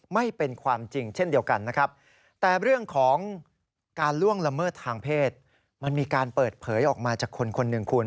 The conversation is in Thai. มันมีการเปิดเผยออกมาจากคนหนึ่งคุณ